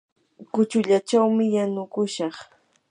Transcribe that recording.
kuchullachawmi yanukushaq.